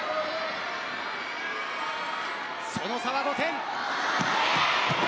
その差は５点。